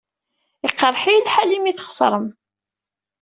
Iqeṛṛeḥ-iyi lḥal imi txeṣṛem.